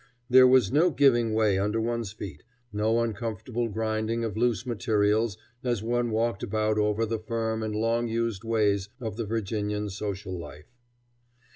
There was no giving way under one's feet, no uncomfortable grinding of loose materials as one walked about over the firm and long used ways of the Virginian social life.